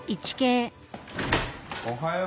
おはよう。